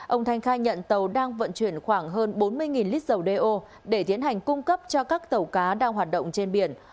ông thanh khai nhận tàu đang vận chuyển khoảng hơn bốn mươi lít dầu đeo để tiến hành cung cấp cho các tàu cá đang hoạt động trên biển